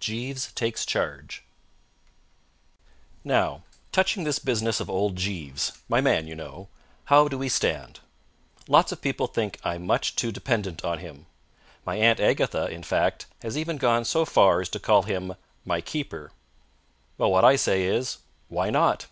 JEEVES TAKES CHARGE Now, touching this business of old Jeeves my man, you know how do we stand? Lots of people think I'm much too dependent on him. My Aunt Agatha, in fact, has even gone so far as to call him my keeper. Well, what I say is: Why not?